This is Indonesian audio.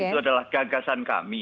itu adalah gagasan kami